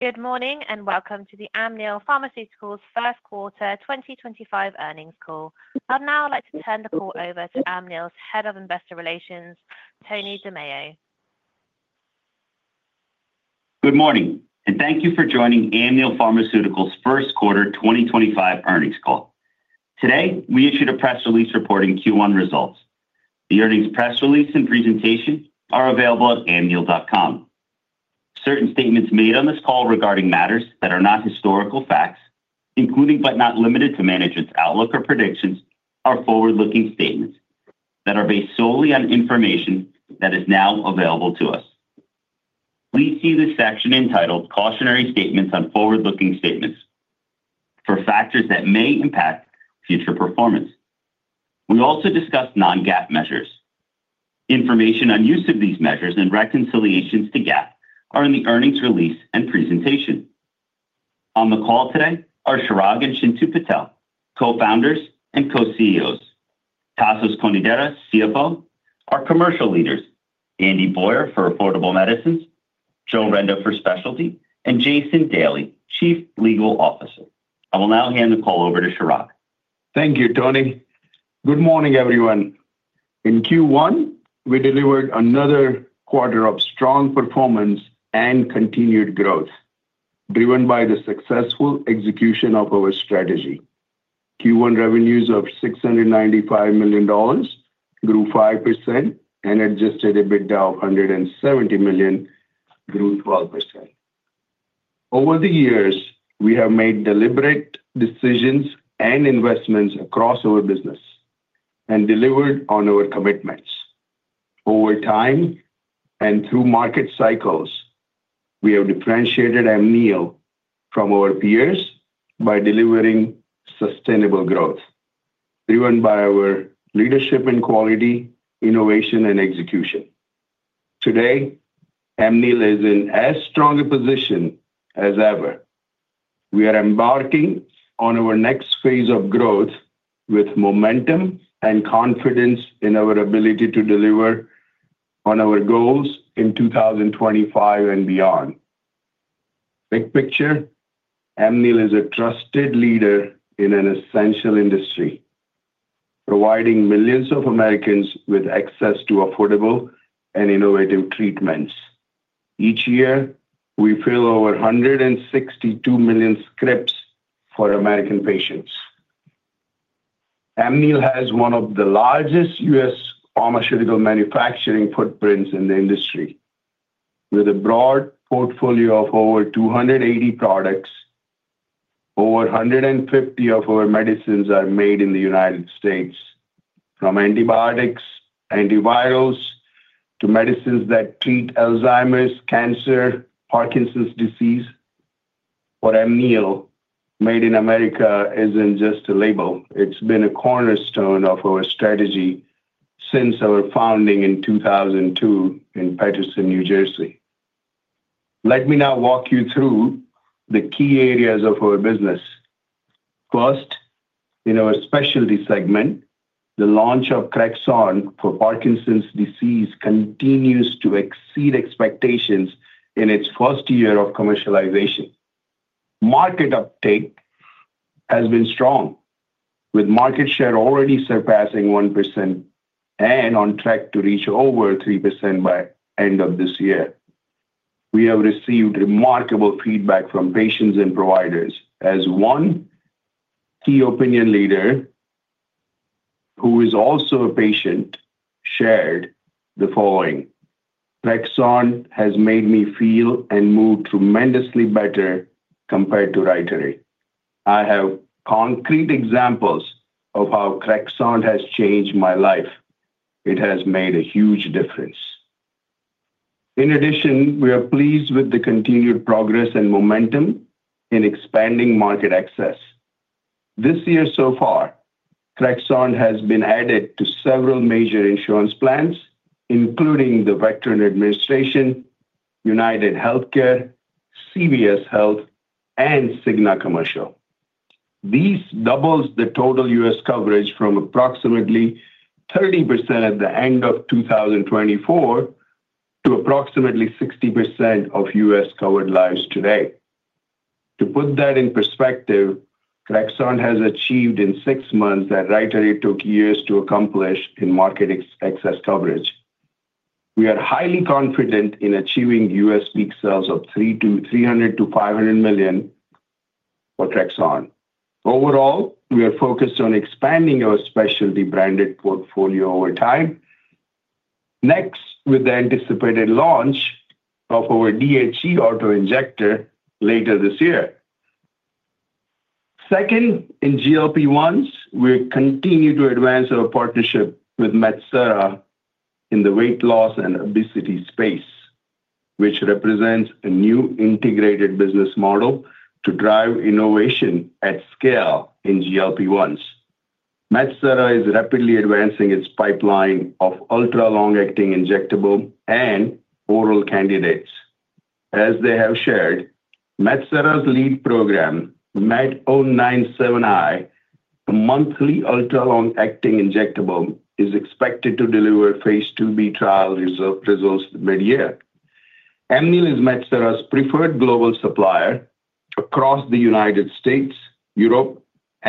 Good morning and welcome to the Amneal Pharmaceuticals first quarter 2025 earnings call. I'd now like to turn the call over to Amneal's Head of Investor Relations, Tony DiMeo. Good morning and thank you for joining Amneal Pharmaceuticals first quarter 2025 earnings call. Today we issued a press release reporting Q1 results. The earnings press release and presentation are available at amneal.com. Certain statements made on this call regarding matters that are not historical facts, including but not limited to management's outlook or predictions, are forward-looking statements that are based solely on information that is now available to us. Please see the section entitled "Cautionary Statements on Forward-Looking Statements" for factors that may impact future performance. We also discussed non-GAAP measures. Information on use of these measures and reconciliations to GAAP are in the earnings release and presentation. On the call today are Chirag and Chintu Patel, co-founders and co-CEOs, Tasos Konidaris, CFO, our commercial leaders Andy Boyer for Affordable Medicines, Joe Renda for Specialty, and Jason Daly, Chief Legal Officer. I will now hand the call over to Chirag. Thank you, Tony. Good morning, everyone. In Q1, we delivered another quarter of strong performance and continued growth, driven by the successful execution of our strategy. Q1 revenues of $695 million grew 5% and adjusted EBITDA of $170 million grew 12%. Over the years, we have made deliberate decisions and investments across our business and delivered on our commitments. Over time and through market cycles, we have differentiated Amneal from our peers by delivering sustainable growth, driven by our leadership in quality, innovation, and execution. Today, Amneal is in a stronger position as ever. We are embarking on our next phase of growth with momentum and confidence in our ability to deliver on our goals in 2025 and beyond. Big picture, Amneal is a trusted leader in an essential industry, providing millions of Americans with access to affordable and innovative treatments. Each year, we fill over 162 million scripts for American patients. Amneal has one of the largest U.S. pharmaceutical manufacturing footprints in the industry. With a broad portfolio of over 280 products, over 150 of our medicines are made in the United States, from antibiotics, antivirals, to medicines that treat Alzheimer's, cancer, and Parkinson's disease. For Amneal, made in America isn't just a label. It's been a cornerstone of our strategy since our founding in 2002 in Paterson, New Jersey. Let me now walk you through the key areas of our business. First, in our specialty segment, the launch of CREXONT for Parkinson's disease continues to exceed expectations in its first year of commercialization. Market uptake has been strong, with market share already surpassing 1% and on track to reach over 3% by the end of this year. We have received remarkable feedback from patients and providers, as one key opinion leader who is also a patient shared the following: "CREXONT has made me feel and move tremendously better compared to RYTARY. I have concrete examples of how CREXONT has changed my life. It has made a huge difference." In addition, we are pleased with the continued progress and momentum in expanding market access. This year so far, CREXONT has been added to several major insurance plans, including the Veterans Administration, UnitedHealthcare, CVS Health, and Cigna Commercial. This doubles the total U.S. coverage from approximately 30% at the end of 2024 to approximately 60% of U.S. covered lives today. To put that in perspective, CREXONT has achieved in six months what RYTARY took years to accomplish in market access coverage. We are highly confident in achieving U.S. peak sales of $300 million-$500 million for CREXONT. Overall, we are focused on expanding our specialty branded portfolio over time, next with the anticipated launch of our DHE auto-injector later this year. Second, in GLP-1s, we continue to advance our partnership with Metsera in the weight loss and obesity space, which represents a new integrated business model to drive innovation at scale in GLP-1s. Metsera is rapidly advancing its pipeline of ultra-long-acting injectable and oral candidates. As they have shared, Metsera's lead program, MET-097i, a monthly ultra-long-acting injectable, is expected to deliver phase II-B trial results mid-year. Amneal is Metsera's preferred global supplier across the United States, Europe,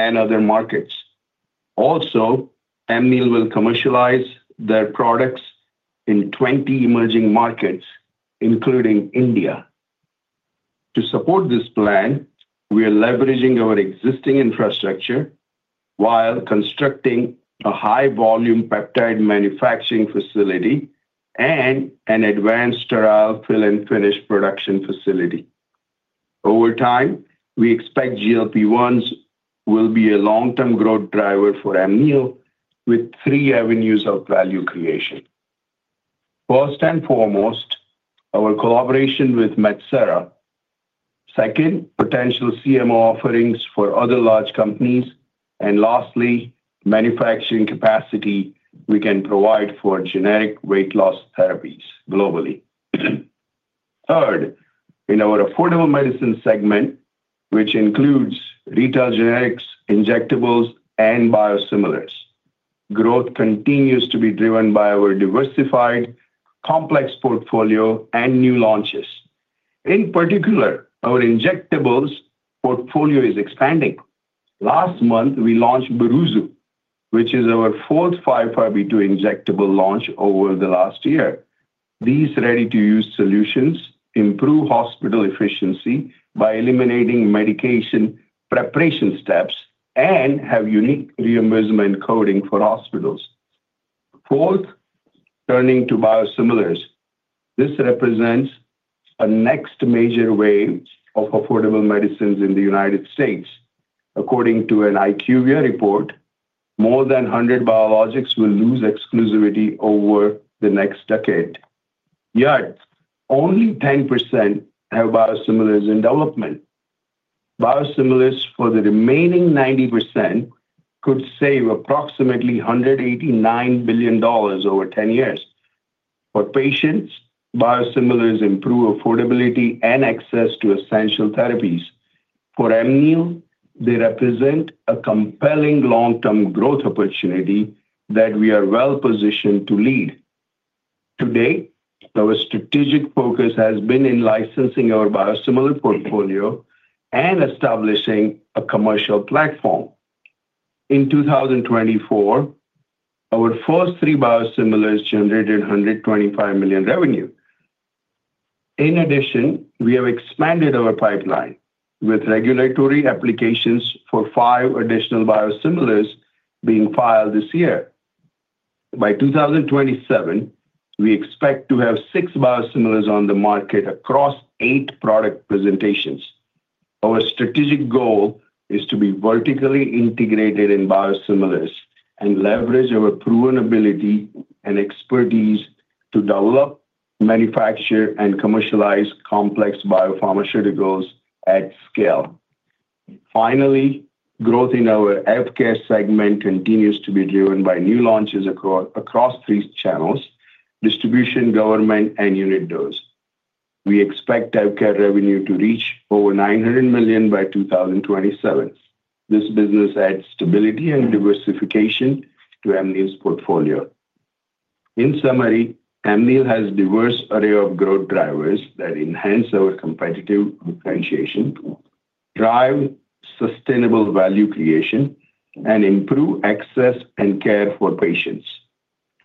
and other markets. Also, Amneal will commercialize their products in 20 emerging markets, including India. To support this plan, we are leveraging our existing infrastructure while constructing a high-volume peptide manufacturing facility and an advanced sterile fill and finish production facility. Over time, we expect GLP-1s will be a long-term growth driver for Amneal with three avenues of value creation. First and foremost, our collaboration with Metsera; second, potential CMO offerings for other large companies; and lastly, manufacturing capacity we can provide for generic weight loss therapies globally. Third, in our affordable medicine segment, which includes retail generics, injectables, and biosimilars, growth continues to be driven by our diversified, complex portfolio and new launches. In particular, our injectables portfolio is expanding. Last month, we launched BORUZU, which is our fourth 505(b)(2) injectable launch over the last year. These ready-to-use solutions improve hospital efficiency by eliminating medication preparation steps and have unique reimbursement coding for hospitals. Fourth, turning to biosimilars, this represents a next major wave of affordable medicines in the United States. According to an IQVIA report, more than 100 biologics will lose exclusivity over the next decade. Yet, only 10% have biosimilars in development. Biosimilars for the remaining 90% could save approximately $189 billion over 10 years. For patients, biosimilars improve affordability and access to essential therapies. For Amneal, they represent a compelling long-term growth opportunity that we are well positioned to lead. Today, our strategic focus has been in licensing our biosimilar portfolio and establishing a commercial platform. In 2024, our first three biosimilars generated $125 million revenue. In addition, we have expanded our pipeline with regulatory applications for five additional biosimilars being filed this year. By 2027, we expect to have six biosimilars on the market across eight product presentations. Our strategic goal is to be vertically integrated in biosimilars and leverage our proven ability and expertise to develop, manufacture, and commercialize complex biopharmaceuticals at scale. Finally, growth in our healthcare segment continues to be driven by new launches across three channels: distribution, government, and unit dose. We expect healthcare revenue to reach over $900 million by 2027. This business adds stability and diversification to Amneal's portfolio. In summary, Amneal has a diverse array of growth drivers that enhance our competitive differentiation, drive sustainable value creation, and improve access and care for patients.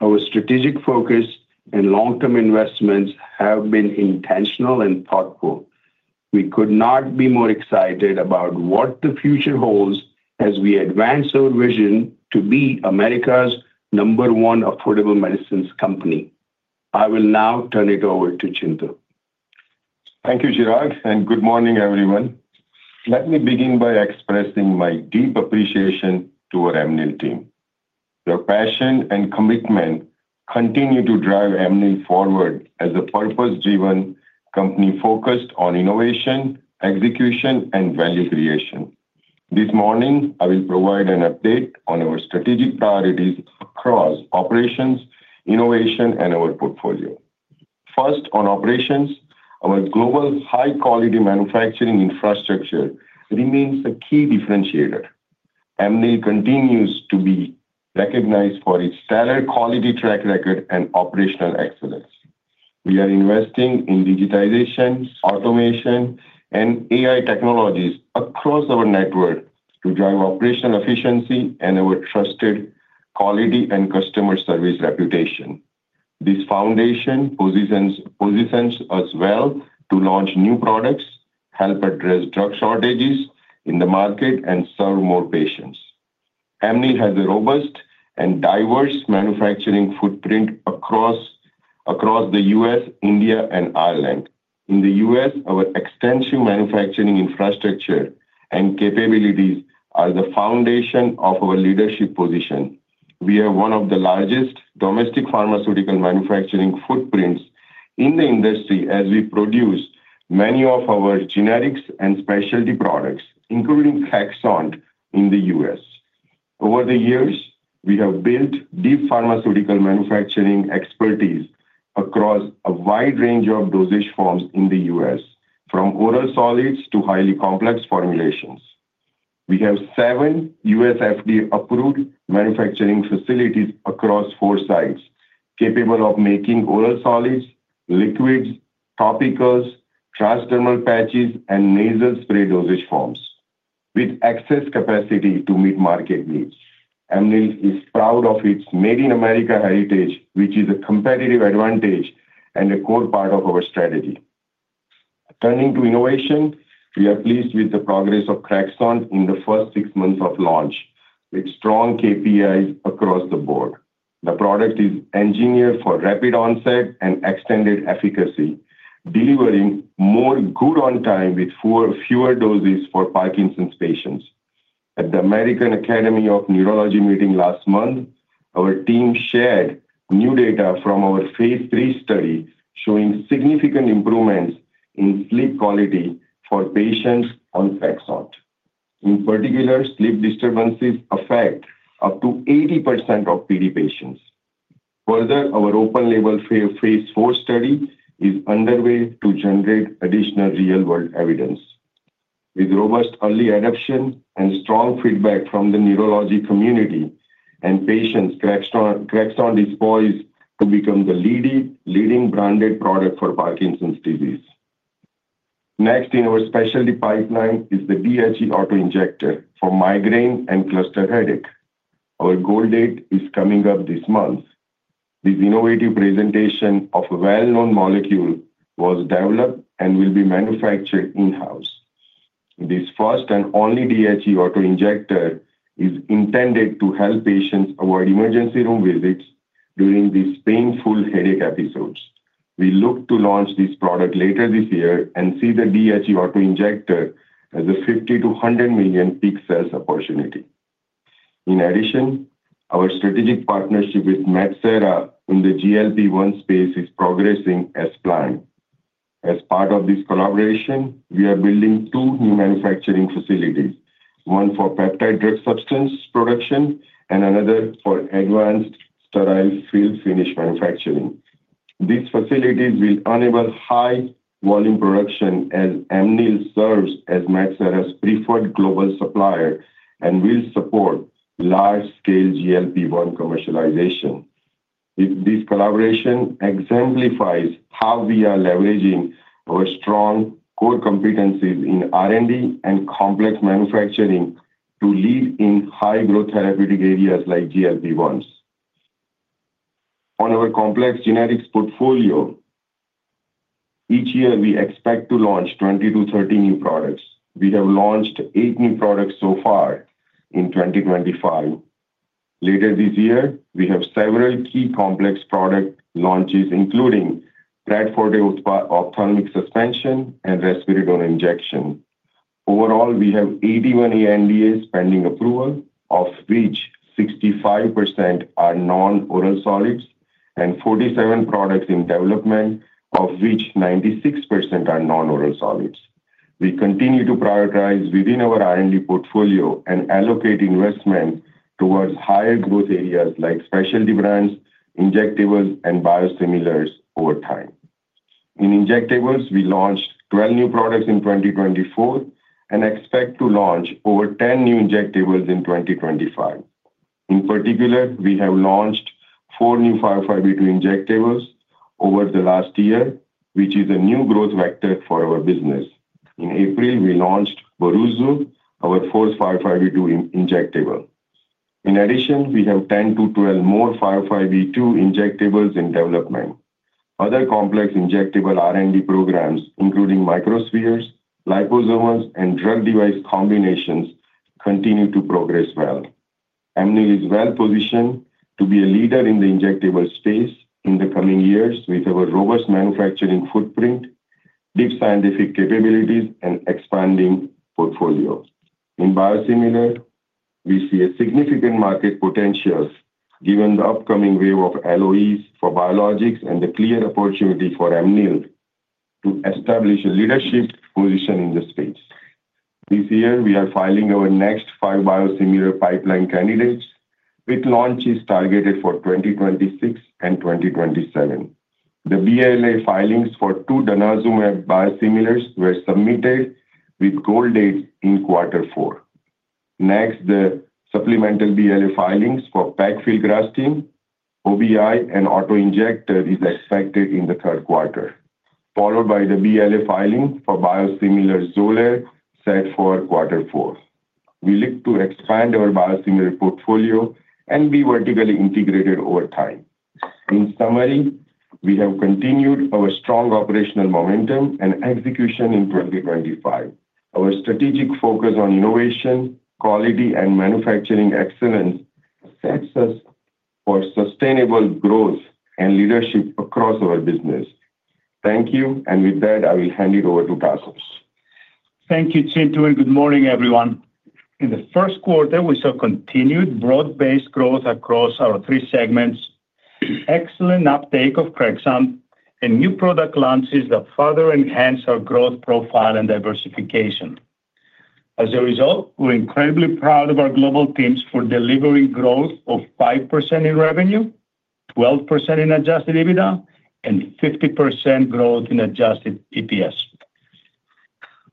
Our strategic focus and long-term investments have been intentional and thoughtful. We could not be more excited about what the future holds as we advance our vision to be America's number one affordable medicines company. I will now turn it over to Chintu. Thank you, Chirag, and good morning, everyone. Let me begin by expressing my deep appreciation to our Amneal team. Your passion and commitment continue to drive Amneal forward as a purpose-driven company focused on innovation, execution, and value creation. This morning, I will provide an update on our strategic priorities across operations, innovation, and our portfolio. First, on operations, our global high-quality manufacturing infrastructure remains a key differentiator. Amneal continues to be recognized for its stellar quality track record and operational excellence. We are investing in digitization, automation, and AI technologies across our network to drive operational efficiency and our trusted quality and customer service reputation. This foundation positions us well to launch new products, help address drug shortages in the market, and serve more patients. Amneal has a robust and diverse manufacturing footprint across the U.S., India, and Ireland. In the U.S., our extensive manufacturing infrastructure and capabilities are the foundation of our leadership position. We are one of the largest domestic pharmaceutical manufacturing footprints in the industry as we produce many of our generics and specialty products, including CREXONT in the U.S. Over the years, we have built deep pharmaceutical manufacturing expertise across a wide range of dosage forms in the U.S., from oral solids to highly complex formulations. We have seven U.S. FDA-approved manufacturing facilities across four sites, capable of making oral solids, liquids, topicals, transdermal patches, and nasal spray dosage forms, with excess capacity to meet market needs. Amneal is proud of its Made in America heritage, which is a competitive advantage and a core part of our strategy. Turning to innovation, we are pleased with the progress of CREXONT in the first six months of launch, with strong KPIs across the board. The product is engineered for rapid onset and extended efficacy, delivering more good on time with fewer doses for Parkinson's patients. At the American Academy of Neurology meeting last month, our team shared new data from our phase III study showing significant improvements in sleep quality for patients on CREXONT. In particular, sleep disturbances affect up to 80% of PD patients. Further, our open-label phase IV study is underway to generate additional real-world evidence. With robust early adoption and strong feedback from the neurology community and patients, CREXONT is poised to become the leading branded product for Parkinson's disease. Next in our specialty pipeline is the DHE auto-injector for migraine and cluster headache. Our goal date is coming up this month. This innovative presentation of a well-known molecule was developed and will be manufactured in-house. This first and only DHE auto-injector is intended to help patients avoid emergency room visits during these painful headache episodes. We look to launch this product later this year and see the DHE auto-injector as a $50 million-$100 million peak sales opportunity. In addition, our strategic partnership with Metsera in the GLP-1 space is progressing as planned. As part of this collaboration, we are building two new manufacturing facilities, one for peptide drug substance production and another for advanced sterile fill finish manufacturing. These facilities will enable high-volume production as Amneal serves as Metsera's preferred global supplier and will support large-scale GLP-1 commercialization. This collaboration exemplifies how we are leveraging our strong core competencies in R&D and complex manufacturing to lead in high-growth therapeutic areas like GLP-1s. On our complex generics portfolio, each year we expect to launch 20-30 new products. We have launched eight new products so far in 2025. Later this year, we have several key complex product launches, including Pred Forte, ophthalmic suspension and risperidone injection. Overall, we have 81 ANDAs pending approval, of which 65% are non-oral solids, and 47 products in development, of which 96% are non-oral solids. We continue to prioritize within our R&D portfolio and allocate investment towards higher growth areas like specialty brands, injectables, and biosimilars over time. In injectables, we launched 12 new products in 2024 and expect to launch over 10 new injectables in 2025. In particular, we have launched four new 505(b)(2) injectables over the last year, which is a new growth vector for our business. In April, we launched BORUZU, our fourth 505(b)(2) injectable. In addition, we have 10-12 more 505(b)(2) injectables in development. Other complex injectable R&D programs, including microspheres, liposomals, and drug device combinations, continue to progress well. Amneal is well positioned to be a leader in the injectable space in the coming years with our robust manufacturing footprint, deep scientific capabilities, and expanding portfolio. In biosimilar, we see a significant market potential given the upcoming wave of LOEs for biologics and the clear opportunity for Amneal to establish a leadership position in the space. This year, we are filing our next five biosimilar pipeline candidates, with launches targeted for 2026 and 2027. The BLA filings for two denosumab biosimilars were submitted with goal dates in quarter four. Next, the supplemental BLA filings for pegfilgrastim, OBI, and auto-injector are expected in the third quarter, followed by the BLA filing for biosimilar XOLAIR set for quarter four. We look to expand our biosimilar portfolio and be vertically integrated over time. In summary, we have continued our strong operational momentum and execution in 2025. Our strategic focus on innovation, quality, and manufacturing excellence sets us for sustainable growth and leadership across our business. Thank you, and with that, I will hand it over to Tasos. Thank you, Chintu, and good morning, everyone. In the first quarter, we saw continued broad-based growth across our three segments, excellent uptake of CREXONT, and new product launches that further enhance our growth profile and diversification. As a result, we're incredibly proud of our global teams for delivering growth of 5% in revenue, 12% in adjusted EBITDA, and 50% growth in adjusted EPS.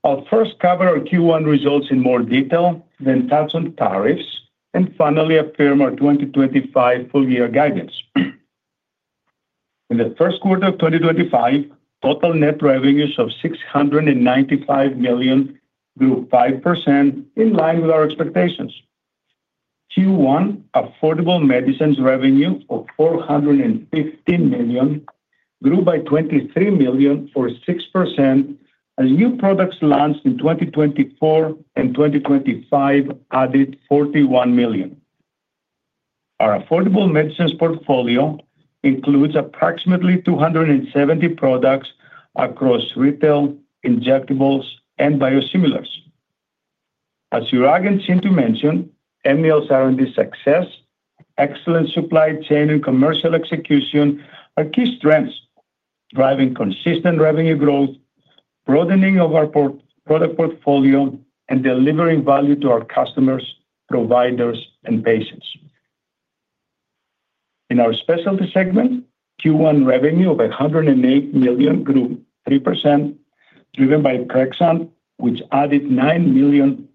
I'll first cover our Q1 results in more detail, then touch on tariffs, and finally affirm our 2025 full-year guidance. In the first quarter of 2025, total net revenues of $695 million grew 5%, in line with our expectations. Q1, affordable medicines revenue of $415 million grew by $23 million or 6%, and new products launched in 2024 and 2025 added $41 million. Our affordable medicines portfolio includes approximately 270 products across retail, injectables, and biosimilars. As Chirag and Chintu mentioned, Amneal's R&D success, excellent supply chain, and commercial execution are key strengths, driving consistent revenue growth, broadening of our product portfolio, and delivering value to our customers, providers, and patients. In our specialty segment, Q1 revenue of $108 million grew 3%, driven by CREXONT, which added $9 million,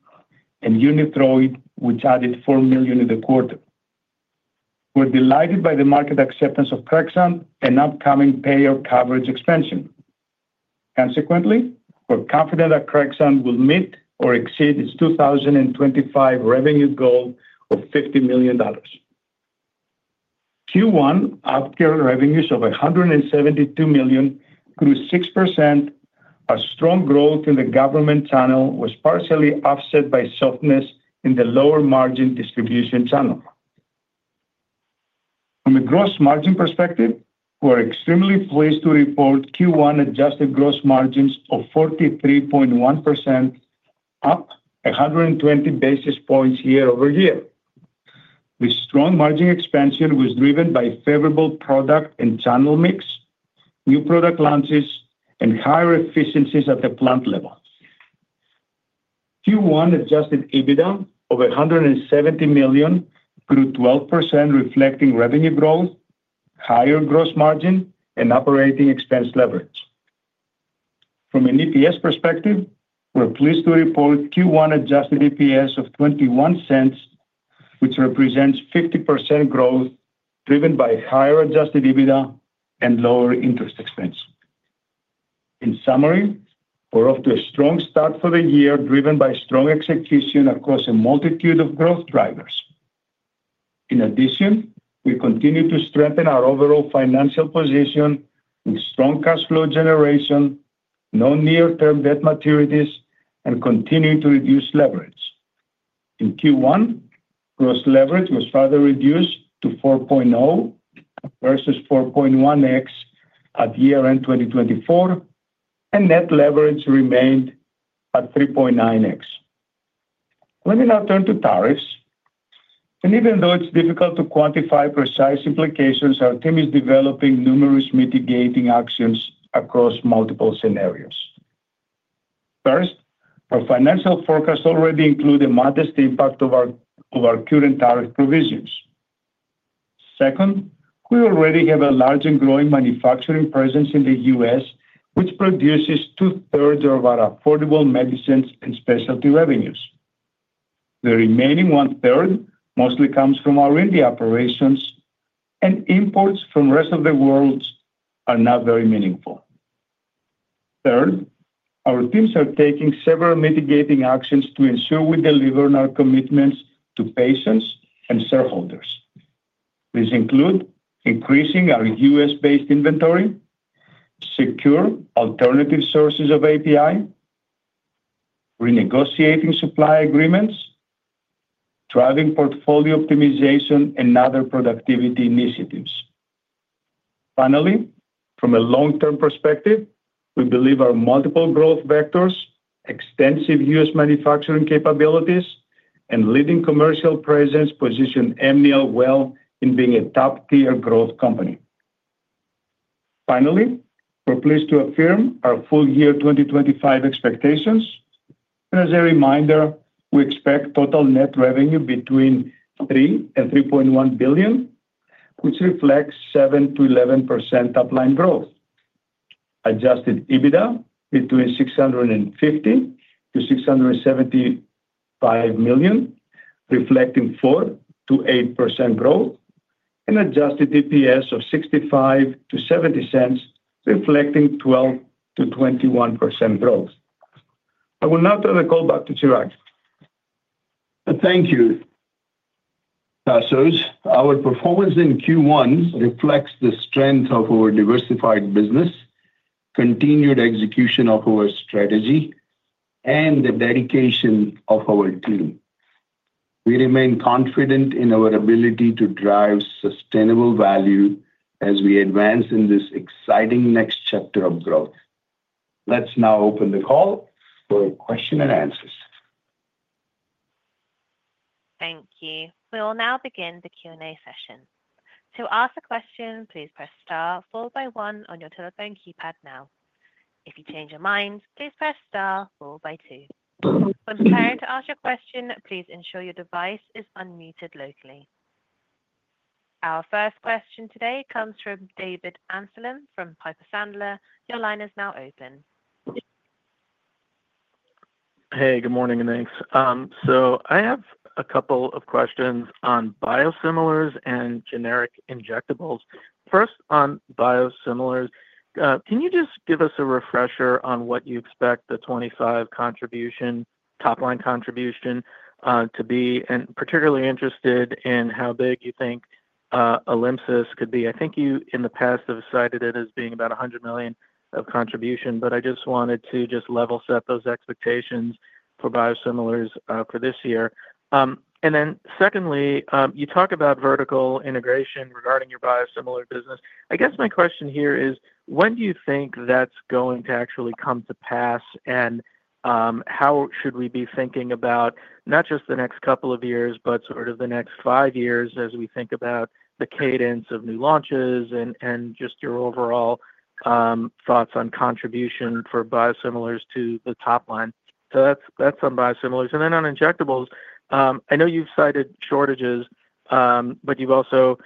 and UNITHROID, which added $4 million in the quarter. We're delighted by the market acceptance of CREXONT and upcoming payer coverage expansion. Consequently, we're confident that CREXONT will meet or exceed its 2025 revenue goal of $50 million. Q1, AvKARE revenues of $172 million, grew 6%. Our strong growth in the government channel was partially offset by softness in the lower margin distribution channel. From a gross margin perspective, we're extremely pleased to report Q1 adjusted gross margins of 43.1%, up 120 basis points year over year. This strong margin expansion was driven by favorable product and channel mix, new product launches, and higher efficiencies at the plant level. Q1 adjusted EBITDA of $170 million grew 12%, reflecting revenue growth, higher gross margin, and operating expense leverage. From an EPS perspective, we're pleased to report Q1 adjusted EPS of $0.21, which represents 50% growth, driven by higher adjusted EBITDA and lower interest expense. In summary, we're off to a strong start for the year, driven by strong execution across a multitude of growth drivers. In addition, we continue to strengthen our overall financial position with strong cash flow generation, no near-term debt maturities, and continuing to reduce leverage. In Q1, gross leverage was further reduced to 4.0 versus 4.1x at year-end 2024, and net leverage remained at 3.9x. Let me now turn to tariffs. Even though it's difficult to quantify precise implications, our team is developing numerous mitigating actions across multiple scenarios. First, our financial forecasts already include the modest impact of our current tariff provisions. Second, we already have a large and growing manufacturing presence in the U.S., which produces two-thirds of our affordable medicines and specialty revenues. The remaining one-third mostly comes from our India operations, and imports from the rest of the world are not very meaningful. Third, our teams are taking several mitigating actions to ensure we deliver on our commitments to patients and shareholders. These include increasing our U.S.-based inventory, securing alternative sources of API, renegotiating supply agreements, driving portfolio optimization, and other productivity initiatives. Finally, from a long-term perspective, we believe our multiple growth vectors, extensive U.S. manufacturing capabilities, and leading commercial presence position Amneal well in being a top-tier growth company. Finally, we are pleased to affirm our full-year 2025 expectations. As a reminder, we expect total net revenue between $3 billion and $3.1 billion, which reflects 7%-11% top-line growth. Adjusted EBITDA between $650 million-$675 million, reflecting 4%-8% growth, and adjusted EPS of $0.65-$0.70, reflecting 12%-21% growth. I will now turn the call back to Chirag. Thank you, Tasos. Our performance in Q1 reflects the strength of our diversified business, continued execution of our strategy, and the dedication of our team. We remain confident in our ability to drive sustainable value as we advance in this exciting next chapter of growth. Let's now open the call for questions and answers. Thank you. We will now begin the Q&A session. To ask a question, please press star followed by one on your telephone keypad now. If you change your mind, please press star followed by two. When preparing to ask your question, please ensure your device is unmuted locally. Our first question today comes from David Amsellem from Piper Sandler. Your line is now open. Hey, good morning, and thanks. I have a couple of questions on biosimilars and generic injectables. First, on biosimilars, can you just give us a refresher on what you expect the $25 contribution, top-line contribution, to be? I am particularly interested in how big you think ALYMSYS could be. I think you, in the past, have cited it as being about $100 million of contribution, but I just wanted to level set those expectations for biosimilars for this year. You talk about vertical integration regarding your biosimilar business. I guess my question here is, when do you think that's going to actually come to pass, and how should we be thinking about not just the next couple of years, but sort of the next five years as we think about the cadence of new launches and just your overall thoughts on contribution for biosimilars to the top line? That is on biosimilars. On injectables, I know you've cited shortages, but you've also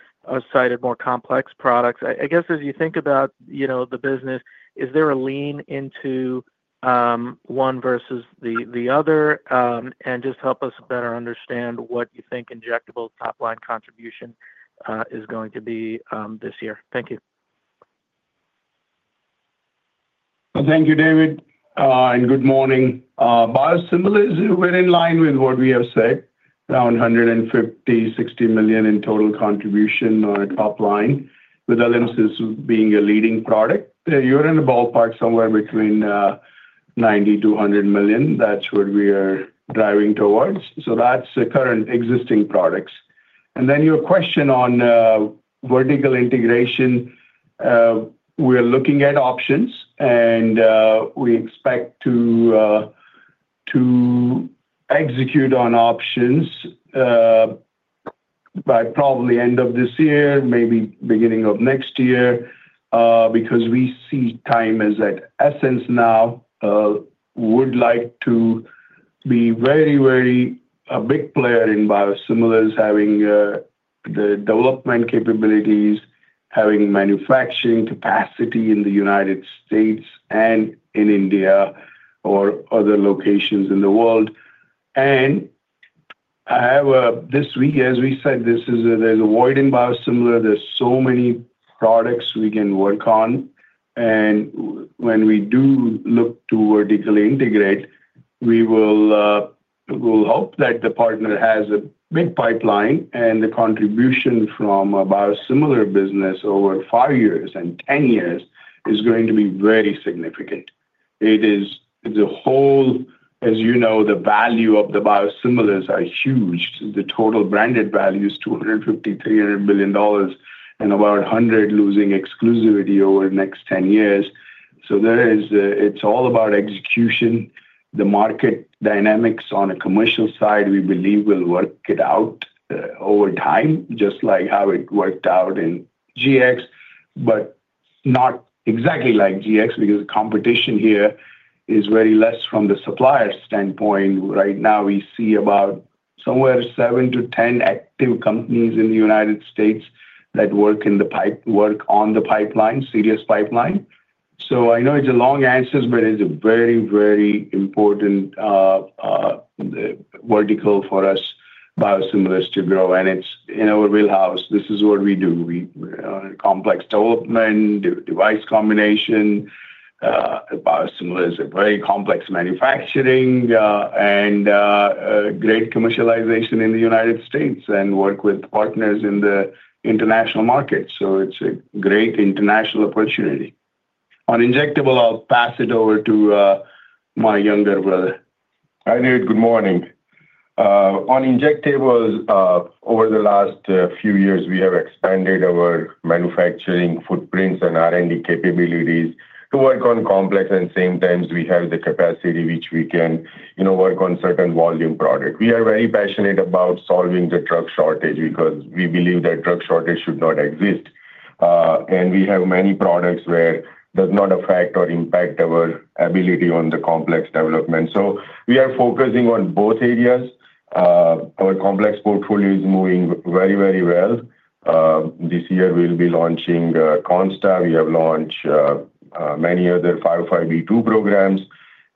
cited more complex products. I guess as you think about the business, is there a lean into one versus the other? Just help us better understand what you think injectable top-line contribution is going to be this year. Thank you. Thank you, David, and good morning. Biosimilars were in line with what we have said, around $150 million-$160 million in total contribution on a top line, with ALYMSYS being a leading product. You're in the ballpark somewhere between $90 million-$100 million. That's what we are driving towards. That's the current existing products. Your question on vertical integration, we're looking at options, and we expect to execute on options by probably the end of this year, maybe beginning of next year, because we see time as at essence now. We would like to be very, very a big player in biosimilars, having the development capabilities, having manufacturing capacity in the United States and in India or other locations in the world. This week, as we said, there's a void in biosimilar. There's so many products we can work on. When we do look to vertically integrate, we will hope that the partner has a big pipeline, and the contribution from a biosimilar business over five years and 10 years is going to be very significant. It is the whole, as you know, the value of the biosimilars are huge. The total branded value is $250 million-$300 million, and about $100 million losing exclusivity over the next 10 years. It is all about execution. The market dynamics on a commercial side, we believe, will work it out over time, just like how it worked out in GX, but not exactly like GX because the competition here is very less from the supplier standpoint. Right now, we see about somewhere 7-10 active companies in the United States that work on the pipeline, serious pipeline. I know it's a long answer, but it's a very, very important vertical for us, biosimilars, to grow. And it's in our wheelhouse. This is what we do. We are a complex development, device combination. Biosimilars are very complex manufacturing and great commercialization in the United States and work with partners in the international market. So it's a great international opportunity. On injectable, I'll pass it over to my younger brother. Hi, David. Good morning. On injectables, over the last few years, we have expanded our manufacturing footprints and R&D capabilities to work on complex, and at the same time, we have the capacity which we can work on certain volume products. We are very passionate about solving the drug shortage because we believe that drug shortage should not exist. We have many products where it does not affect or impact our ability on the complex development. We are focusing on both areas. Our complex portfolio is moving very, very well. This year, we'll be launching Consta. We have launched many other 505(b)(2) injectables programs.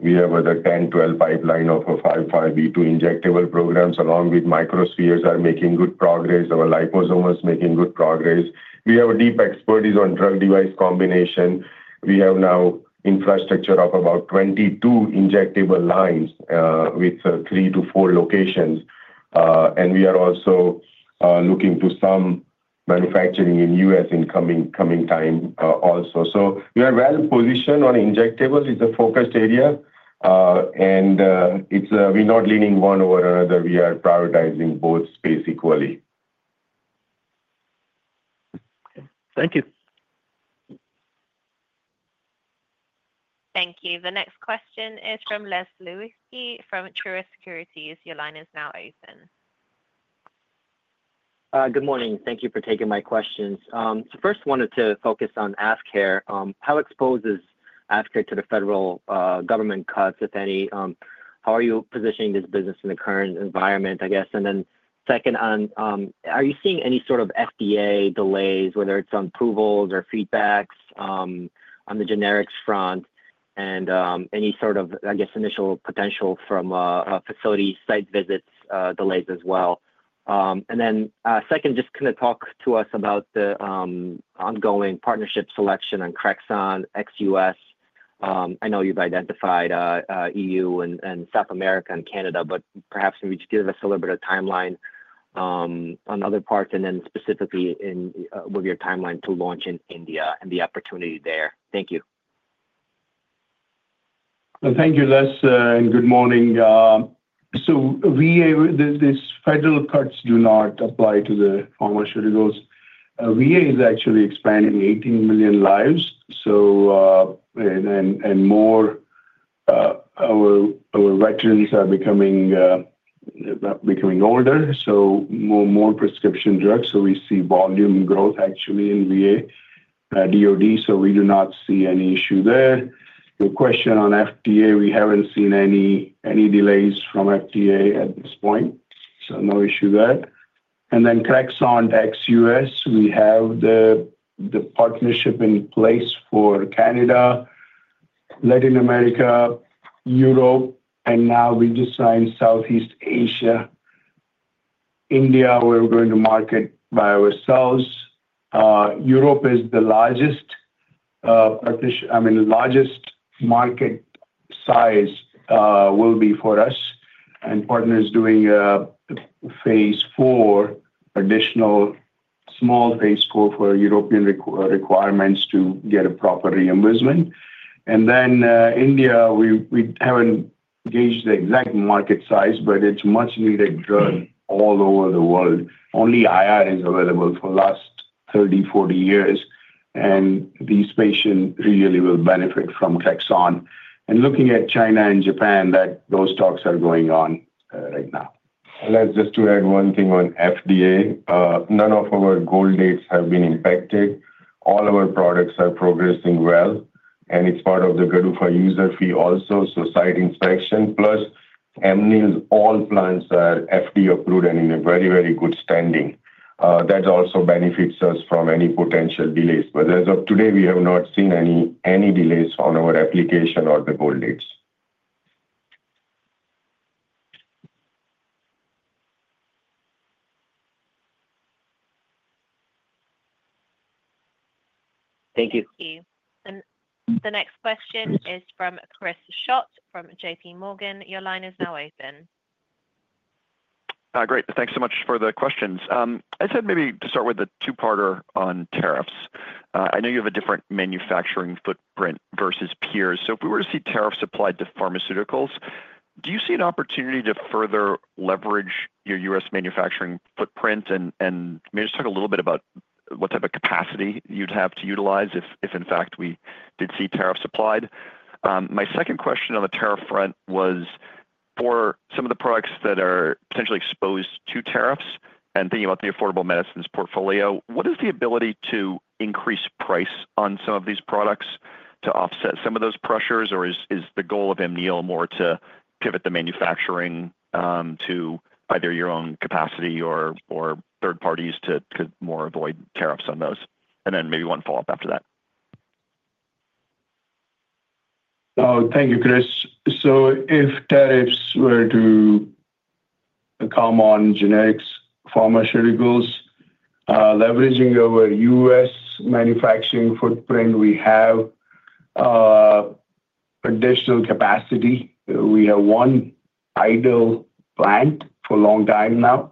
We have a 10-12 pipeline of 505(b)(2) injectable programs, along with microspheres, are making good progress. Our liposomes are making good progress. We have a deep expertise on drug-device combination. We have now infrastructure of about 22 injectable lines with three to four locations. We are also looking to some manufacturing in the U.S. in coming time also. We are well positioned on injectables. It's a focused area, and we're not leaning one over another. We are prioritizing both space equally. Thank you. Thank you. The next question is from Les Sulewski from Truist Securities. Your line is now open. Good morning. Thank you for taking my questions. First, I wanted to focus on AvKARE. How exposed is AvKARE to the federal government cuts, if any? How are you positioning this business in the current environment, I guess? Second, are you seeing any sort of FDA delays, whether it's on approvals or feedback on the generics front, and any sort of, I guess, initial potential from facility site visit delays as well? Second, just kind of talk to us about the ongoing partnership selection on CREXONT, ex-U.S. I know you've identified EU and South America and Canada, but perhaps can you just give us a little bit of timeline on other parts, and then specifically with your timeline to launch in India and the opportunity there? Thank you. Thank you, Les, and good morning. These federal cuts do not apply to the pharmaceuticals. VA is actually expanding 18 million lives, and more of our veterans are becoming older, so more prescription drugs. We see volume growth, actually, in VA DOD, so we do not see any issue there. Your question on FDA, we have not seen any delays from FDA at this point, so no issue there. CREXONT, ex-US, we have the partnership in place for Canada, Latin America, Europe, and now we just signed Southeast Asia, India, where we are going to market by ourselves. Europe is the largest market size will be for us, and partners doing a phase four, additional small phase four for European requirements to get a proper reimbursement. India, we have not gauged the exact market size, but it is a much-needed drug all over the world. Only IR is available for the last 30-40 years, and these patients really will benefit from CREXONT. Looking at China and Japan, those talks are going on right now. Les, just to add one thing on FDA, none of our gold dates have been impacted. All our products are progressing well, and it's part of the GDUFA user fee also, so site inspection, plus Amneal's all plants are FDA approved and in very, very good standing. That also benefits us from any potential delays. As of today, we have not seen any delays on our application or the gold dates. Thank you. Thank you. The next question is from Chris Schott from JPMorgan. Your line is now open. Great. Thanks so much for the questions. I'd say maybe to start with a two-parter on tariffs. I know you have a different manufacturing footprint versus peers. If we were to see tariffs applied to pharmaceuticals, do you see an opportunity to further leverage your U.S. manufacturing footprint? Maybe just talk a little bit about what type of capacity you'd have to utilize if, in fact, we did see tariffs applied. My second question on the tariff front was for some of the products that are potentially exposed to tariffs and thinking about the Affordable Medicines portfolio, what is the ability to increase price on some of these products to offset some of those pressures, or is the goal of Amneal more to pivot the manufacturing to either your own capacity or third parties to more avoid tariffs on those? Maybe one follow-up after that. Thank you, Chris. If tariffs were to come on generics pharmaceuticals, leveraging our U.S. manufacturing footprint, we have additional capacity. We have one idle plant for a long time now,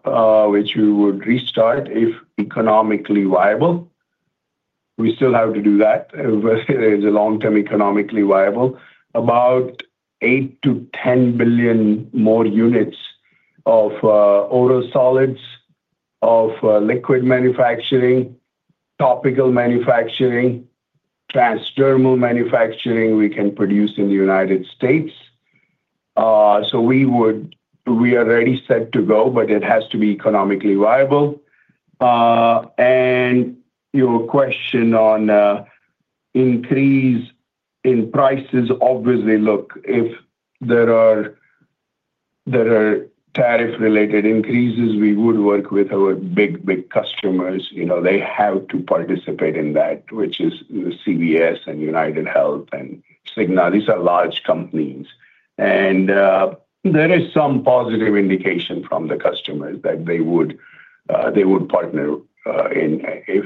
which we would restart if economically viable. We still have to do that. It is a long-term economically viable. About 8-10 billion more units of oral solids, of liquid manufacturing, topical manufacturing, transdermal manufacturing we can produce in the United States. We are ready set to go, but it has to be economically viable. Your question on increase in prices, obviously, look, if there are tariff-related increases, we would work with our big, big customers. They have to participate in that, which is CVS and UnitedHealthcare and Cigna. These are large companies. There is some positive indication from the customers that they would partner in if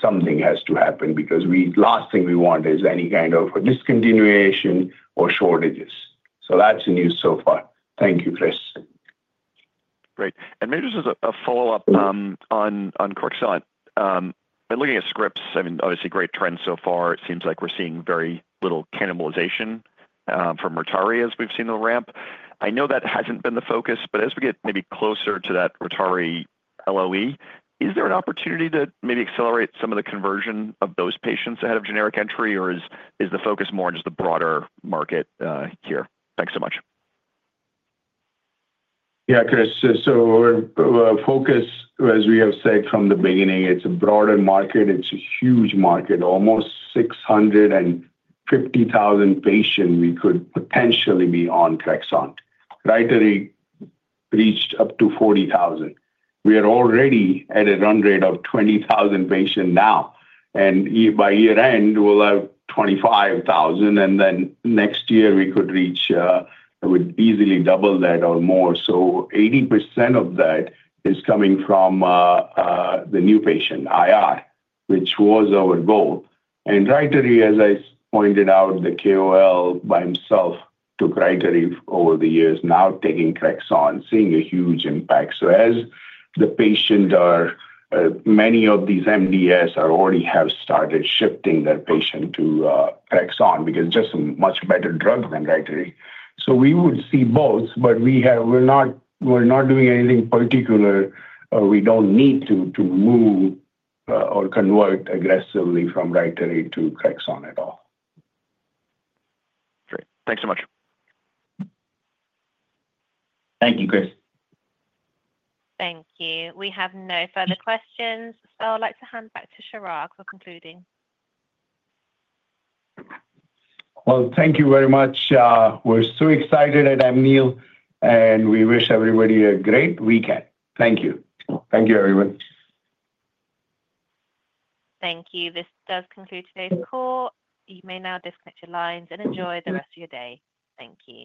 something has to happen because the last thing we want is any kind of discontinuation or shortages. That is the news so far. Thank you, Chris. Great. Maybe just as a follow-up on CREXONT, in looking at scripts, I mean, obviously, great trend so far. It seems like we're seeing very little cannibalization from RYTARY as we've seen the ramp. I know that hasn't been the focus, but as we get maybe closer to that RYTARY LOE, is there an opportunity to maybe accelerate some of the conversion of those patients ahead of generic entry, or is the focus more just the broader market here? Thanks so much. Yeah, Chris. Focus, as we have said from the beginning, it's a broader market. It's a huge market. Almost 650,000 patients we could potentially be on CREXONT. RYTARY reached up to 40,000. We are already at a run rate of 20,000 patients now. By year-end, we'll have 25,000. Next year, we could reach easily double that or more. 80% of that is coming from the new patient, IR, which was our goal. RYTARY, as I pointed out, the KOL by himself took RYTARY over the years, now taking CREXONT, seeing a huge impact. As the patient or many of these MDs already have started shifting their patient to CREXONT because it's just a much better drug than RYTARY. We would see both, but we're not doing anything particular. We don't need to move or convert aggressively from RYTARY to CREXONT at all. Great. Thanks so much. Thank you, Chris. Thank you. We have no further questions. I would like to hand back to Chirag for concluding. Thank you very much. We're so excited at Amneal, and we wish everybody a great weekend. Thank you. Thank you, everyone. Thank you. This does conclude today's call. You may now disconnect your lines and enjoy the rest of your day. Thank you.